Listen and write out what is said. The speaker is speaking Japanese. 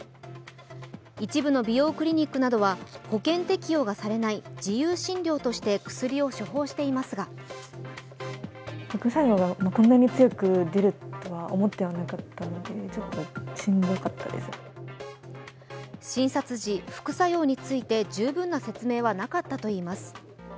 一部の美容クリニックなどは保険適用がされない自由診療として薬を処方していますが診察時、副作用について十分な説明はなかったといいます。